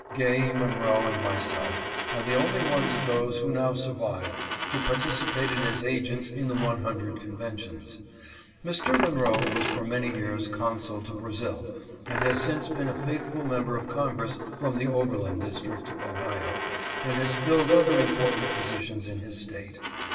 Gay, Monroe, and myself are the only ones of those who now survive who participated as agents in the one hundred conventions. Mr. Monroe was for many years consul to Brazil, and has since been a faithful member of Congress from the Oberlin District, Ohio, and has filled other important positions in his State.